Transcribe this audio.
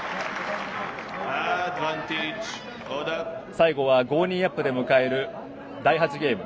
最後は５−２アップで迎える第８ゲーム。